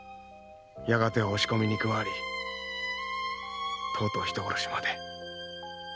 「やがては押し込みに加わりとうとう人殺しまで」